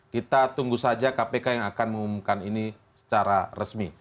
kita tunggu saja kpk yang akan mengumumkan ini secara resmi